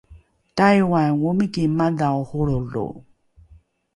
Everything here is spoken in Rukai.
taiwan omiki madhao holrolo